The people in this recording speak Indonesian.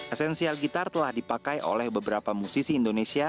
esensial gitar telah dipakai oleh beberapa musisi indonesia